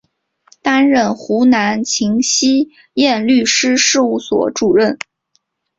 担任湖南秦希燕律师事务所主任。